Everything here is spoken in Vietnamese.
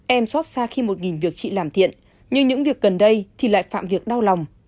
em xót xa khi một việc chị làm thiện nhưng những việc gần đây thì lại phạm việc đau lòng